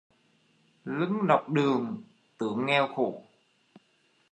Lưng nọc đượng tướng nghèo khổ